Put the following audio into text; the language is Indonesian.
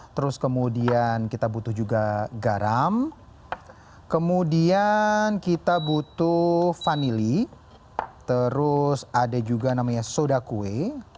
terus kemudian kita butuh juga garam kemudian kita butuh vanili terus ada juga namanya soda kue